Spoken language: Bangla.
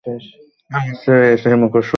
সে মুখোশ পরে ছিলো।